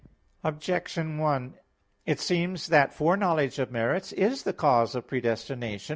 Objection 1: It seems that foreknowledge of merits is the cause of predestination.